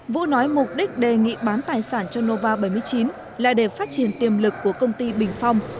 vũ nói mục đích đề nghị bán tài sản cho nova bảy mươi chín là để phát triển tiềm lực của công ty bình phong